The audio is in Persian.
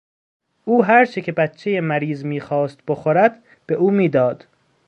او هرچه که بچهی مریض میخواست بخورد به او میداد.